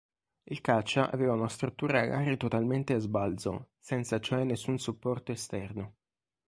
Il caccia aveva una struttura alare totalmente a sbalzo, senza cioè nessun supporto esterno.